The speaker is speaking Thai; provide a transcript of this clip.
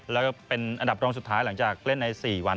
แล้วก็เป็นอันดับรองสุดท้ายหลังจากเล่นใน๔วัน